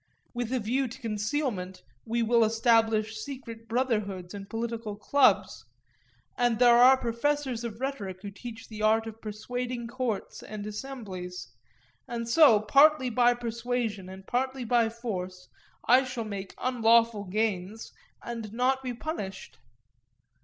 With a view to concealment we will establish secret brotherhoods and political clubs. And there are professors of rhetoric who teach the art of persuading courts and assemblies; and so, partly by persuasion and partly by force, I shall make unlawful gains and not be punished.